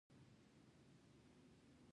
ربه دا لا څه تالان دی، چی به خپل وطن یې وینم